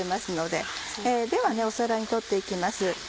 では皿に取って行きます。